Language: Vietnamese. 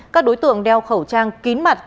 các đối tượng đeo khẩu trang kín mặt